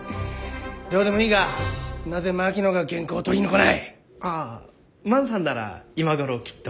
どうでもいいがなぜ槙野が原稿を取りに来ない？ああ万さんなら今頃きっと。